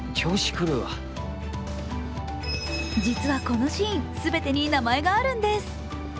実はこのシーン、全てに名前があるんです。